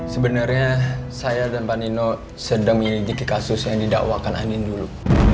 sebenarnya saya dan pak nino sedang menyelidiki kasus yang didakwakan anin dulu